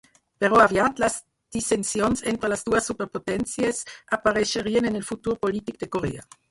Però aviat, les dissensions entre les dues superpotències apareixerien en el futur polític de Corea.